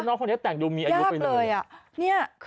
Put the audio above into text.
น้องครั้งนี้แต่งดูมีอายุไปเลย